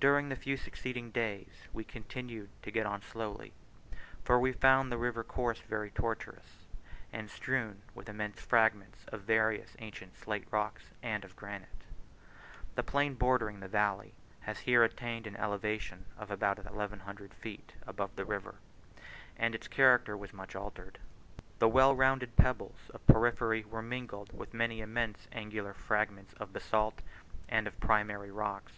During the few succeeding days we continued to get on slowly, for we found the river course very tortuous, and strewed with immense fragments of various ancient slate rocks, and of granite. The plain bordering the valley has here attained an elevation of about 1100 feet above the river, and its character was much altered. The well rounded pebbles of porphyry were mingled with many immense angular fragments of basalt and of primary rocks.